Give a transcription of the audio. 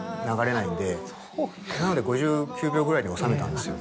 なので５９秒ぐらいに収めたんですよ。